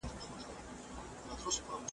زه له مور ډېرې لیرې